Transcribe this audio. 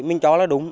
mình cho là đúng